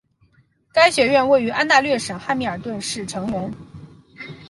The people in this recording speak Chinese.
该学院位于安大略省汉密尔顿市成员。